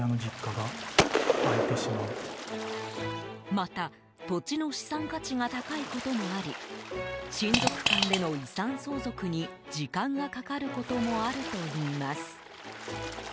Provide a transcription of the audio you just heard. また、土地の資産価値が高いこともあり親族間での遺産相続に時間がかかることもあるといいます。